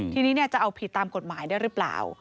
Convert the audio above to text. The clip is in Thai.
ทีนี้จะเอาผิดตามกฎหมายได้หรือเปล่า